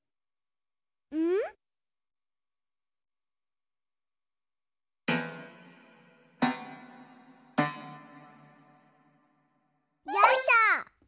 うん？よいしょ！